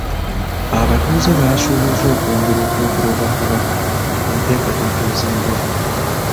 Abatuuze baasuubiza okwongera okuwagira Obwakabaka mu nteekateeka ez'enjawulo.